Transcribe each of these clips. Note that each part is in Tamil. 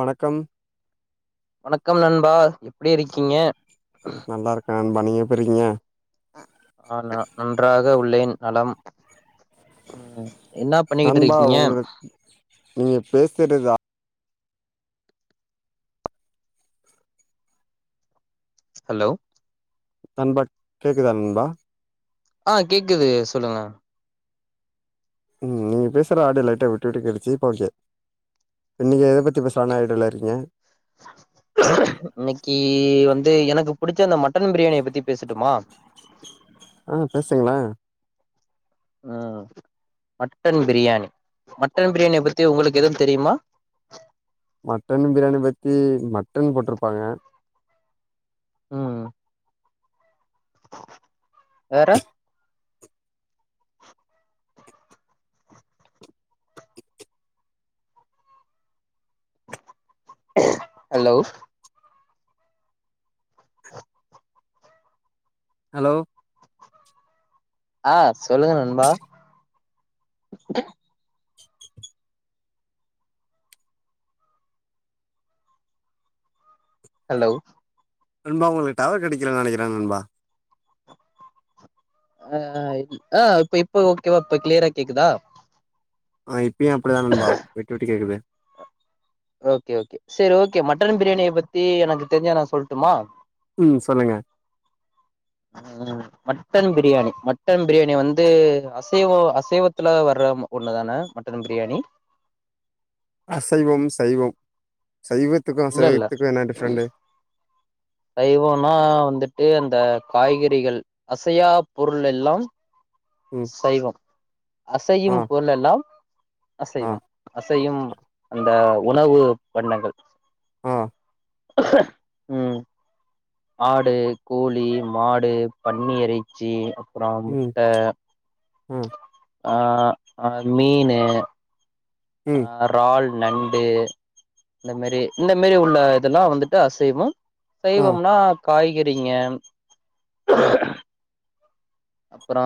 வணக்கம் வணக்கம் நண்பா எப்டி இருக்கீங்க நல்லா இருக்கன் மணி எப்டி இருக்கீங்க ஆ நன்றாக உள்ளேன் நலம் உ நண்பா உங்களுக் நீங்க பேசறதா ஹலோ நண்பா கேக்குதா நண்பா ஆஹ் கேக்குது சொல்லுங்க உஹம் நீங்க பேசுற ஆடியோ லைட்டா விட்டு விட்டு கேட்டுச்சு இப்போ ஓகே நீங்க எத பத்தி பேசலானு ஏங் ஐடியால இருக்கீங்க ஹமு இன்னைக்கு வந்து எனக்கு புடி புடிச்சிருந்தா மட்டும் பிரியாணிய பத்தி பேசட்டுமா ஆஹ் பேசுங்களேன் உஹம் மட்டன் பிரியாணி மட்டன் பிரியாணிய பத்தி உங்களுக்கு எதுவும் தெரியுமா மட்டன் பிரியாணி பத்தி மட்டன் போட்டிருப்பாங்க உஹம் வேற ஹலோ ஹலோ ஆஹ் சொல்லுங்க நண்பா ஹலோ நண்பா உங்களுக்கு டவர் கிடைக்கலனு நினைக்கிறேன் நண்பா ஆஹ் ஆஹ் இப்ப இப்ப ஓகேவா இப்ப கிளியரா கேக்குதா ஹா அப்ப அப்படி தான் நண்பா விட்டு விட்டு கேக்குது ஓகே ஓகே சரி ஓகே மட்டன் பிரியாணிய பத்தி எனக்கு தெரிஞ்சத நான் சொல்லட்டுமா உஹம் சொல்லுங்க உஹம் மட்டன் பிரியாணி மட்டன் பிரியாணி வந்து அசைவம் அசைவத்துல வர்றது ஒண்ணுதானே மட்டன் பிரியாணி அசைவம் சைவம் சைவத்துக்கும் இல்ல இல்ல அசைவத்துக்கும் என்ன டிஃப்ரெண்டு சைவம்னா வந்துட்டு அந்த காய்கறிகள் அசையா பொருள் எல்லாம் ம் சைவம் ஆ அசையும் பொருலெல்லாம் ஆ அசைவம் அசையும் அந்த உணவு பண்டங்கள் ஆஹா ஹா உஹம் ஆடு, கோழி, மாடு, பன்னிறைச்சி அப்புறம் முட்டை உம் ஆஹ் அஹ மீனு ம் அஹ் இறால் நண்டு இந்த மாதிரி இந்த மாதிரி உள்ள இதெல்லாம் வந்துட்டு அசைவம் ஆ சைவோம்னா காய்கறிங்க அப்புற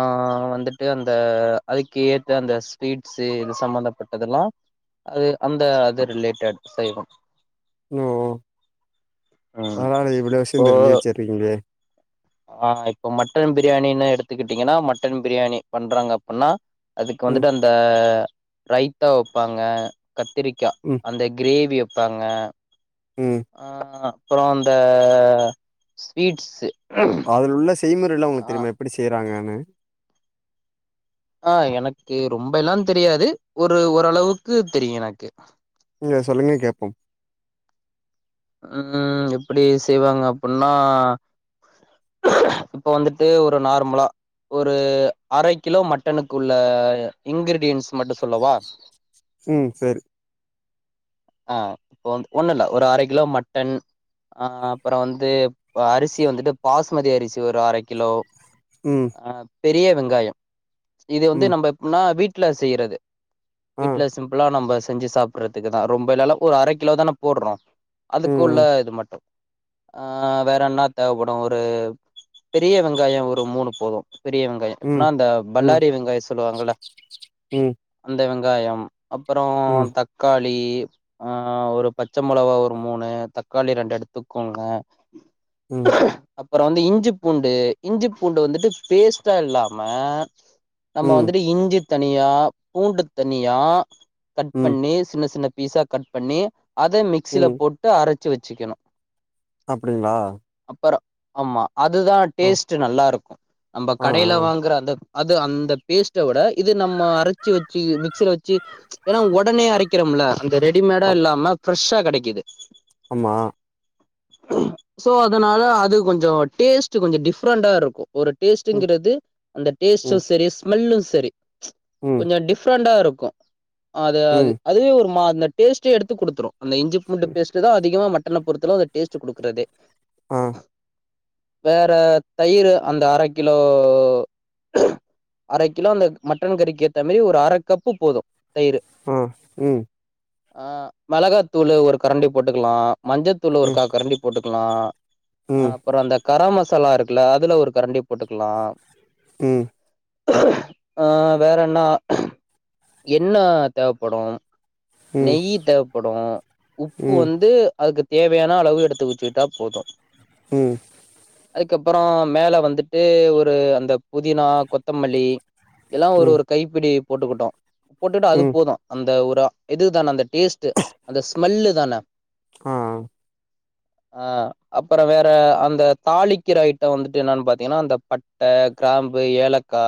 வந்துட்டு அந்த அதுக்கு ஏத்த அந்த ஸ்வீட்ஸு இது சம்பந்தப்பட்டதெல்லா அது அந்த அது ரிலேட்டட் செய்வோ ஓ ஓ ம் பரவால்ல இவ்ளோ இப்போ விஷயஞ் தெரிஞ்சு வச்சிருக்கீங்களே ஆ இப்ப மட்டன் பிரியாணின்னு எடுத்துக்கிட்டீங்கன்னா மட்டன் பிரியாணி பண்றாங்க அப்பன்னா அதுக்கு ம் வந்துட்டு அந்த ரைத்தா வப்பாங்க கத்திரிக்கா ம் அந்த கிரேவிய தாங்க ம். ஆ அப்புறோ அந்த ஸ்வீட்ஸு அதுல உள்ள செய்முற எல்லா உங்களுக்கு ஆ தெரியுமா எப்படி செய்யறாங்க னு ஆ எனக்கு ரொம்ப எல்லாந் தெரியாது ஒரு ஒரளவுக்கு தெரியு எனக்கு எங்க சொல்லுங்க கேப்போம் ம் எப்பிடி செய்வாங்க அப்பட்ன்னா இப்ப வந்துட்டு ஒரு நார்மலா ஒரு அர கிலோ மட்டனுக்கு உள்ள இன்கிரீடியன்ஸ் மட்டு சொல்லவா ம் சேரி ஆ வந் ஒண்ணு இல்ல ஒரு அர கிலோ மட்டன் ஆ அப்புற வந்து ப அரிசி வந்துட்டு பாஸ்மதி அரிசி ஒரு அர கிலோ ம் ஆ பெரிய வெங்காயோ இது வந்து ம். நம்ப எப்பிட்னா வீட் ல செய்யறது ஆ. வீட்ல சிம்பிளா நம்ப செஞ்சு சாப்டறதுக்குதா ரொம்ப இல்லல்ல ஒரு அர கிலோதான போட்றோ ம் அதுக்குள்ள ம். இது மட்டு ஆ வேற என்னா தேவைப்படு ஒரு பெரிய வெங்காயோ ஒரு மூணு போது பெரிய வெங்காயோ ம் எப்பிட்னா அந்த ம் பல்லாரி வெங்காயோ சொல்லுவாங்கல்ல ம் அந்த வெங் வெங்காயம் அப்பறோ தக்கா ளி ஆஹ் ஒரு பச்ச மொளகா ஒரு மூணு தக்காளி ரெண்டு எடுத்துக்கோங்க உம் அப்பறம் வந்து இஞ்சி பூண்டு இஞ்சி பூண்டு வந்துட்டு பேஸ்ட்டா இல்லாம நம்ம ம் வந்துட்டு இஞ்சி தனியா பூண்டு தனியா கட் ம் பண்ணி சின்ன சின்ன பீஸா கட் பண்ணி அத மிக்சில ம். போட்டு அர அரச்சு வச்சுக்கணும் அப்டிங்களா அப்புறம் ஆமா அதுதான் அ டேஸ்ட் நல்லா இருக்கும் நம்ப ஆ கடைல ஆ. வாங்குற அந்த அது அந்த பேஸ்ட்ட வுட இது நம்ம அரச்சு வச்சு மிக்சில வச்சு ஏனா ஒடனே அரைக்கிறோம்ல அந்த ரெடிமேடா ஆம் இல்லாம ஃப்ரெஷ்ஷா கெடைக்கிது ஆமா சோ அதனால அது கொஞ்சம் டேஸ்ட்டு கொஞ்ச டிஃப்ரெண்டா இருக்கும் ஒரு ம் டேஸ்ட்ங்கறது அந்த டேஸ்ட்டு ம் சரி ஸ்மெல்லு சரி ம் கொஞ்ச டிஃப்ரெண்டாருகும் க்கு அது அது ம். அதுவே ஒரு மா இந்த டேஸ்ட்டே எடுத்து குடுத்துறும் அந்த இஞ்சி பூண்டு பேஸ்ட் தான் அதிகமா மட் என்ன பொறுத்த அளவு அது டேஸ்ட்டு கொடுக்குறது ஆஹம் வேற தயிரு அந்த அரை கிலோ அர கிலோ அந்த மட்டன் கறிக்கு ஏத்த மாரி ஒரு அர கப்பு போதும் ஹ உம் ஆஹ் மெளகாத்தூளு ஒரு கரண்டி போட்டுக்கலாம் மஞ்சத்தூளு ஒரு ம் காகரண்டி போட்டு க்கலாம் ம் அஹ் அப்பறம் அந்த கரம் மசாலா இருக்குல்ல அதுல ஒரு கரண்டி போட்டுக்கலா ம் ஆ வேற என்ன எண்ண தேவைப்படும் ம் நெய்யி தேவைப்படு உப்பு ம் வந்து அதுக்கு தேவையான அளவு எடுத்து வச்சுக்கிட்டா போது ம் அதுக்கப்புறோ மேல வந்துட்டு ஒரு அந்த புதினா கொத்தமல்லி எல்லா ஒரு ம் ஒரு கைப்பிடி போட்டுக்குட்டு போட்டுட்டு அது ம். போது அந்த ஒ ரு இதுதான் அந்த டேஸ்ட்டு அந்த ஸ்மெல்லு தான ஆ ஆ ஆ அப்புற வேற அந்த தாளிக்கிற ஐட்டோ வந்துட்டு என்னன்னு பாத்தீங்கன்னா அந்த பட்ட கிராம்பு ஏலக்கா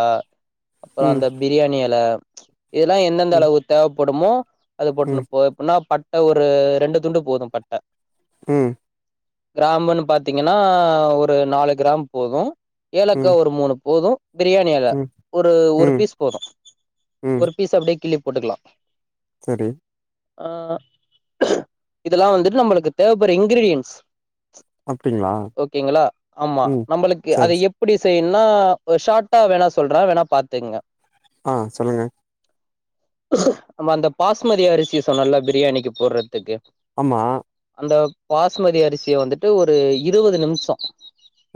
அப்புற ம் அந்த பிரியாணி எல இதெல்லா எந்தெந்த ம் அளவு தேவ ப்படுமோ அது போட்னு ம் போ எப்பனா பட் ட ஒரு ரெண்டு துண்டு போது பட்ட ம் கிராம்புன்னு பாத்தீங்கன்னா ஒரு நாலு கிராம்பு போது ஏலக்கா ம் ஒரு மூணு போது பிரியாணி எல ம் ஒரு ஒரு ம் பீஸ் போது ஒரு பீஸ் அப்டியே கிள்ளி போட்டுக்கலா செரி ஆ இதெல்லா வந்துட்டு நம்மளுக்கு தேவப்படுற இன்கிரிடியன்ஸ் அப்டிங்களா ஓகேங்களா ஆமா ம் நம்பளுக்கு சரி அத எப்படி செய்ய னுன்லா ஒரு ஷார்ட்டா வேண்ணா சொல்றே வேண்ணா பாத்துக்ங்க ஆ சொல்லுங்க ஆமா அந்த பாஸ் மதி அரிசிய சொன்னல்ல பிரியாணிக்கு போட்றதுக்கு ஆமா அந்த பாஸ்மதி அரிசிய வந்துட்டு ஒரு இருவது நிம்ஷோ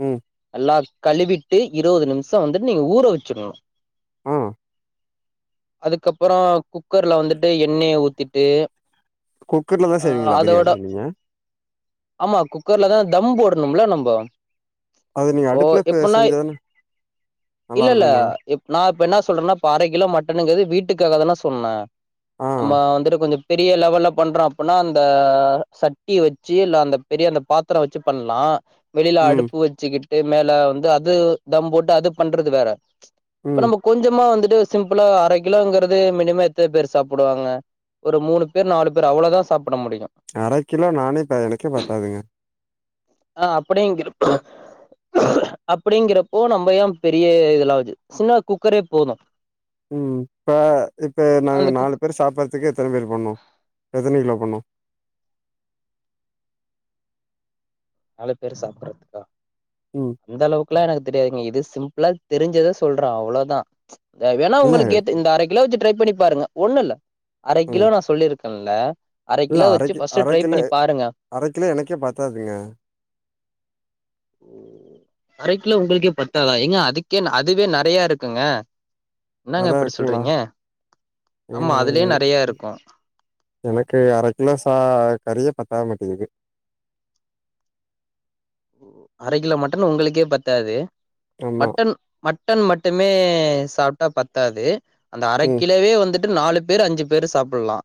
உம் நல்ல கழுவிட்டு இருபது நிமிஷம் வந்துட்டு நீங்க ஊற வச்சிடணும் ஆ அதுக்கப்புறம் குக்கர்ல வந்துட்டு எண்ணெயை ஊத்திட்டு குக்கர்லாம் தான் ஆ செய்வீங்களா அதோட பிரியாணி நீங்க ஆமா குக்கர்லதான் தம் போடணும்ல நம்போ அது நீங்க ஓ அடுப்புல ப எப்பனா செஞ்சாதான நல்லா இல்ல இல்ல இருக்கும்பாங்க நான் இப்ப என்ன சொல்றேன்னா அரை கிலோ மட்டனு வீட்டுக்காக தான் சொன்னேன் ஆ நம்ம வந்துட்டு கொஞ்சம் பெரிய லெவல்ல அல்லபண்றனாம்அப்படின்னா அந்த சட்டி வச்சு இல்ல அந்த பெரிய அந்த பாத்திரம் வச்சு பண்ணலாம் வெளியில ம் அடுப்பு வச்சுக்கிட்டு மேல வந்து அது தம் போட்டு அது பண்றது வேற இப்ப ம் நம்ம கொஞ்சமா வந்துட்டு சிம்புளா அரை கிலோங்கிற வந்து மினிமம் எத்தனைபேர் சாப்பிடுவாங்க ஒரு மூணு பேர் நாலு பேர் அவ்வளவுதான் சாப்பிடு அரை கிலோ நானே எனக்கே பத்தாதுங்க ஆ அப்படிங்கிறப்ப அப்படிங்கிறப்போ நம்ம ஏன் பெரிய இதுல ஆகுச்சு சின்ன குக்கரே போதும்னு உம் இப்ப இப்போ அந்த நாங்கள் நாலு குக் பேர் சாப்பிட்றதுக்கு எத்தனை பேர் பண்ணோம் எத்தனை கிலோ பண்ணோம் நாலு பேர் சாப்பிடறதுக்கா ம் அந்த அளவுக்கு எனக்கு தெரியதுங்க இது சிம்பிளா தெரிஞ்சதை சொல்றன் அவ்வளவுதான் வேணா இல்ல உங்களுக்கு இந்த அரை கிலோ வச்சு ட்ரை பண்ணி பாருங்க ஒண்ணும்இல்ல அரை கிலோ ம் நான் சொல்லியிருக்கேன் இல்ல இல்ல அரைக்கு அரை கிலோ அரை கிலோ எனக்கே பாத்தாதுங்க அரைக்கிலோ உங்களுக்கே பத்தாதாங்கஏங்க அதுக்கே அதுவே நிறைய இருக்குங்க என்னங்க நெறையா இப்டி இருக்குங்களா சொல்றீங்க ஏ ஆமா நான் அதுலயே நெறையா இருக்கும் எனக்கு அரை கிலோ கறியே பார்த்தாலே ஆயிட்டுருக்கு அரை கிலோ மட்டன் உங்களுக்கே பத்தாது ஆமா மட்டன் மட் மட்டன் மட்டுமே சாப்ட்டா பத்தாது அந்த ம் அரக்கிலோவே வந்து ட்டு நாலு பேர் அஞ்சி பேர் சாப்படலா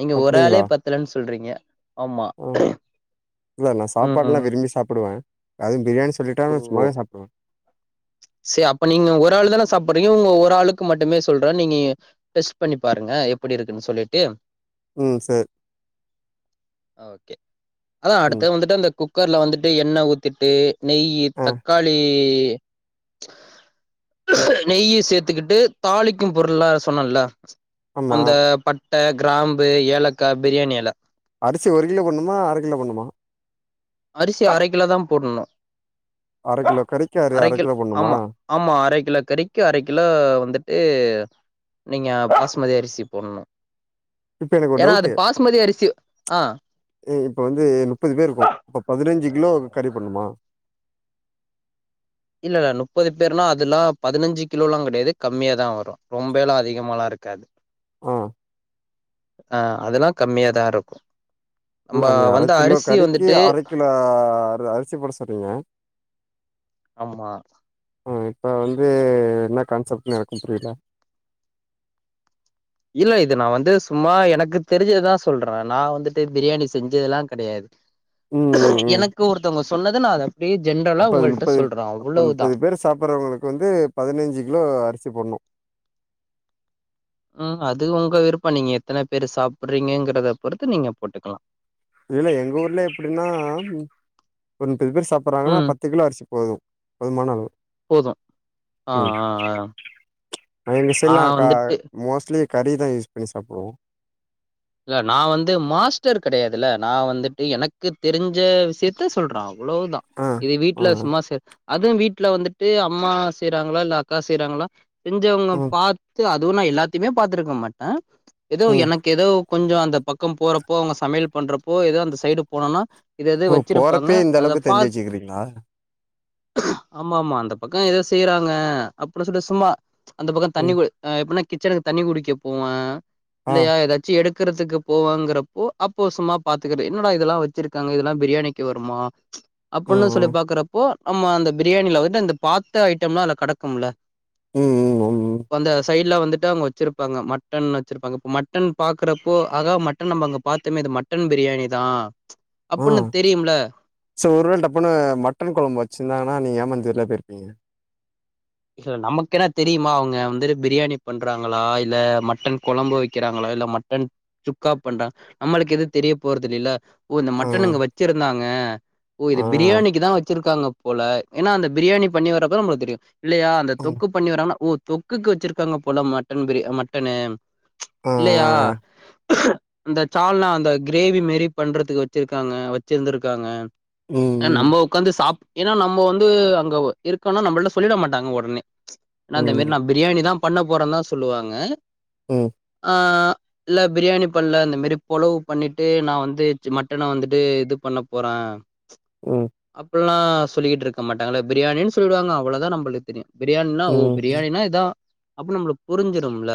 நீங்க ஒரு ஆளே அப்டிங்களா பத்தலன் சொல்றீங்க ஆமா ஆ இல்ல நா ம் சாப்பாடுலாம் விரும்பி சாப்புடுவன் அதுவும் பிரியாணி சொல்லிட்டான் வச்சிக்கி சும்மாவே சாப்புடுவன் சேரி அப்ப நீங்க ஒரு ஆள் தான சாப்பறீங்க உங்க ஒரு ஆளுக்கு மட்டுமே சொல்றன் நீங்க டெஸ்ட் பண்ணி பாருங்க எப்டி இருக்குன்னு சொல்லிட்டு ம் சரி ஓகே அதா ம். அடுத்து வந்துட்டு அந்த குக் குக்கர்ல வந்துட்டு எண்ண ஊத்திட்டு நெயி ஆ. தக்காளி கே நெய்ய சேத்துக்கிட்டு தாளிக்கும் பொருள்ளா சொன்ன இல்ல ஆமா. அந்த பட் ட கிராம்பு ஏலக்கா பிரியாணி எல அரிசி ஒரு கிலோ போடுணுமா அர கிலோ போடுணுமா அரிசி அரக்கிலோ தா போடணும் கிலோ கறிக்கு அர கில் கிலோ போடணுமா? ஆமா ஆமா அர கிலோ கறிக்கு அர கிலோ வந்துட்டு நீங்க பாஸ்மதி அரிசி போடணும் இப்ப எனக்கு ஒரு டவுட்டு அரிசி ஆ இப்ப வந்து முப்பது பேர் இருக்கும் இப்ப பதிநஞ்சி கிலோ கறி போடுணுமா இல்ல இல்ல முப்பது பேருனா அதுல்லா பதினஞ்சி கிலோல்லா கெடையாது கம்மியாதா வரும் ரொம்ப எல்லாம் அதிகமாலா இருக்காது ம் ஆ அதெல்லா கம்மியாதா இருக்கும் இல்ல நீ அர கிலோ கறிக்கு அர கிலோ அரிசி போட சொன்னிங்க ஆமா ஆ இப்ப வந்து என்ன கான்செப்ட்னு எனக்கும் புரியவைக்கலா இல்ல இது நா வந்து சும்மா எனக்கு தெரிஞ்சதுதா சொல்றன் நா வந்துட்டு பிரியாணி செஞ்சது க்ஷலாம் கெடையாது எனக்கு ஒருத்தவங்க சொன்ன இது இன்னும் அத அப்டியே ஜென்ரலா அப்பது உங்கள்ட்ட முப்பது சொல்றே அப்ப அவ்ளோதா முப்பது பேர் சாப்பிடுறவங்களுக்கு வந்து பதினைஞ்சு கிலோ அரிசி போடனும் அது உங்க விருப்பம் நீங்க எத்தனை பேரு சாப்பிடுறீங்கங்கறத பொறுத்து நீங்க போட்டுக்கலாம் இல்லல்ல எங்க ஊர்ல எப்படின்னா ஒரு பே சாப்பிடுறாங்கன்னா ம் பத்து கிலோ அரிசி போதும் போதுமான அளவு போது ஆ ஆ ஆ நா வந்துட்டு மோஸ்ட்லி கறி தான் யூஸ் பண்ணி சாப்பிடுவோம் இல்ல நான் வந்து மாஸ்டர் கிடையாதுல்ல நான் வந்துட்டு எனக்கு தெரிஞ்ச விஷயத்த சொல்றேன் அவ்வளவுதான் ஆ இது ஆ வீட்டுல சும்மா சே அதுவும் வீட்டுல வந்துட்டு அம்மா செய்யறாங்களா இல்ல அக்கா செய்யறாங்களா செஞ்சவங்க ம் பார்த்து அ அது நான் எல்லாத்தையுமே பார்த்தருக்க மாட்டேன் ஏதோ ம் எனக்கு ஏதோ கொஞ்சம் அந்த பக்கம் போறப்போ அவங்க சமையல் பண்றப்போ ஏதோ அந்த சைடு போனோம்னா இது எது ஓ வச்சிருப்பாங்க போறப்பே இந்த அத அளவுக்கு தெரிஞ்சு பாத் வச்சுக்கிறீங்களா. ஆமா ஆமா அந்த பக்கம் ஏதோ செய்யறாங்க அப்புடின்னு சொல்லி சும்மா. அந்த பக்கம் தண்ணி் ம் எப்படினா கிச்சனுக்கு தண்ணி குடிக்க போமா. ஆ இல்லையா ஏதாச்சு எடுத் இருக்கறிதுக்கு போவாங்கிறப்போ அப்போ சும்மா பாத்துக்கற என்னடா இதெல்லாம் வச்சிருக்காங்க இதெல்லாம் பிரியாணிக்கு வருமா. அப்படின்னு சொல்லி ம் பாக்குறப்போ. ஆமா அந்த பிரியாணில வந்து அந்த பாத்த ஐட்டம்லாம் அதுல கிடக்கும்ல. ம் ம் ம் ம் ம் அந்த சைட் புலா வந்துட்டு அவங்க வச்சிருப்பாங்க மட்டன் வச்சிருப்பாங்க இப்போ மட்டன் பார்க் இருகிறப்போ ஆகா மட்டன் நம்ம அங்க பாத்ததுமே இது மட்டன் பிரியாணி தான். ஓ சோ ஒருவேல டப்புன்னு மட்டன் குழம்பு வச்சிருந்தாங்கன்னா நீ ஏமாந்துருவல. வெறுப்பிங்க. இல்ல நமக்கு என்னா தெரியுமா அவங்க வந்து பிரியாணி பண்றாங்களா இல்ல மட்டன் குழம்பு வைக்கிறாங்களா இல்ல மட்டன் சுக்கா பண்றா நம்மளுக்கு எது தெரிய போறது இல்லல்ல. ஓ இந்த ஆ மட்டன் அங்க வச்சிருந்தாங்க. ஓ இது ஆ பிரியாணிக்கு தான் வச்சிருக்காங்க. போல ஏன்னா அந்த பிரியாணி பண்ணி வரப்போ நம்மளுக்கு தெரியும். இல்லையா அந்த ம் தொக்கு பண்ணி வராங்கன்னா ஓ தொக்குக்கு வச்சிருக்காங்க போல மட்டன் பிரியாணி மட்டனு. இச் ஆ இல்லையா. அந்த சால்னா அந்த கிரேவி மேரி பண்றதுக்கு வெச்சுருக்காங்க வெச்சுருந்துருக்காங்க ஏ நம்ம ம் உக்காந்து சாப் ஏன்னா நம்ம வந்து அங்க இருக்கன்னா நம்மள்ட்ட சொல்லிட மாட் டாங்க ஒடனே நா ம் அந்த மேரி நா ம் பிரியாணிதாம் பண்ண போறந்தா சொல்லுவாங்க ம் ஆ இல்ல பிரியாணி பண்ல இந்த மேரி புலாவ் பண்ணிட்டு நா வந்து மட்டன வந்துட்டு இது பண்ண போற ம் அப்ப அப்டிலா சொல்லிகிட்டு இருக்க மாட்டாங்கல்ல பிரியாணின் சொல்வாங்க அவ்வளோதா நம்பளுக் தெரியு பிரியாணின்னா ஓ ம் ம். பிரியாணின்னா இதா அப்போ நம்மளுக் புருஞ்சுரும்ல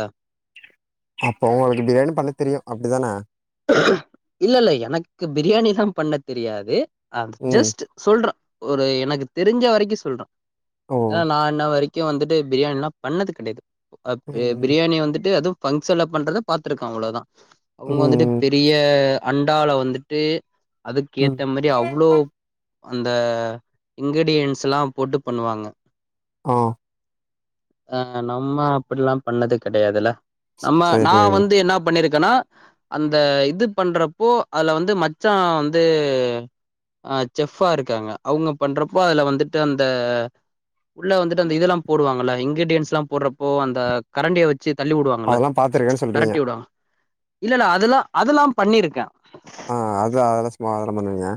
அப்போ உங்களுக்கு பிரியாணி பண்ண தெரியு அப்டிதான இல்ல இல்ல எனக்கு பிரியாணிலாம் பண்ண தெரியாது அ ம் ஜெஸ்ட்டு சொல்ற ஒரு எனக்கு தெருஞ்ச வரைக்கு சொல்ற ஓ ஆ நா இன்ன வரைக் இங்க வந்துட்டு பிரியாணில்லா பண்ணது கெடையாது அப்ப ம் பிரியாணி வந்துட்டு அது பங்சன்ல பன்றத பாத்துருக்கோ அவ்வளோதா அவங்க வந்துட்டு ம் பெரிய அண்டால வந்துட்டு ம் அதுக்கேத்த மாரி அவ்வளோ அந்த இன்கிரீடியன்ஸ் எல்லா போட்டு பண்ணுவாங்க ஆ ஆ நம்ம அப்டில்லாம் பண்ணது கெடையாதுல நம்ம நா சரி வந்து என்ன பண்ணிருக் இருந்தன்னா அந்த இது பண்றப்போ அதுல வந்து மச்சா வந்து அ செஃப்பா இருக்காங்க அவங்க பண்றப்போ அதுல வந்துட்டு அந்த உள்ள வந்துட்டு அந்த இதெல்லாம் போடுவங்கல்ல இன்கிரீடியன்ஸ் எல்லாம் போடுறப்போ அந்த கரண்டிய வெச் வெச்சு தள்ளி உடுவாங்கல்ல அதெல்லாம் பாத்துருக்கேன்னு சொல்றீங்க. வெரட்டி உடுவாங்க இல்ல இல்ல அதெல்லா அதல்லாம் பண்ணிருக்க ஆ அதா அதெல்லா சும்மா சம்பந்தோ இல்லிங்க